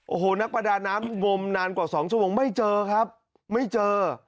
โอ้โหนักประดาน้ำงมนานกว่า๒ชั่วโมงไม่เจอครับไม่เจอ